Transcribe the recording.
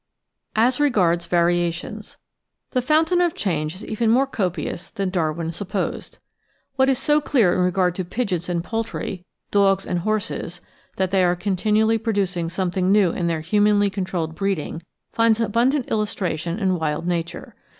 §2 As regards Variations The fountain of change is even more copious than Darwin supposed. What is so clear in regard to pigeons and poultry, dogs and horses, that they are continually producing something new in their humanly controlled breeding, finds abundant illustra tion in wild nature.